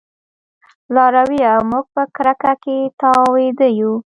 لارويه! موږ په کرکه کې تاوده يو